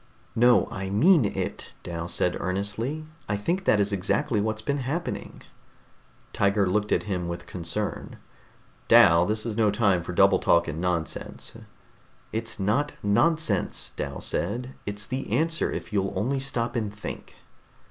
"No, I mean it," Dal said earnestly. "I think that is exactly what's been happening." Tiger looked at him with concern. "Dal, this is no time for double talk and nonsense." "It's not nonsense," Dal said. "It's the answer, if you'll only stop and think."